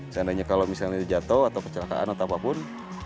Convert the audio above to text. seandainya kalau misalnya jatuh atau kecelakaan atau apapun